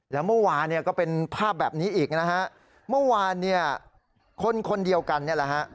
แล้วเมื่อวานเนี่ยก็เป็นภาพแบบนี้อีกนะฮะเมื่อวานเนี่ยคนคนเดียวกันเนี่ยแหละฮะ